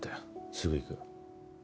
すぐ行く。